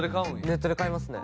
ネットで買いますね。